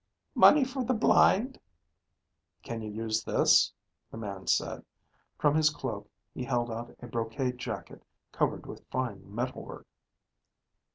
"Money for the blind?" "Can you use this?" the man said. From his cloak he held out a brocade jacket, covered with fine metal work.